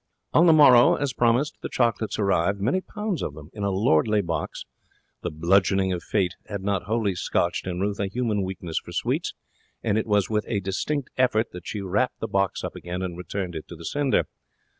On the morrow, as promised, the chocolates arrived, many pounds of them in a lordly box. The bludgeoning of fate had not wholly scotched in Ruth a human weakness for sweets, and it was with a distinct effort that she wrapped the box up again and returned it to the sender.